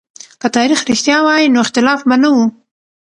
که تاريخ رښتيا وای نو اختلاف به نه و.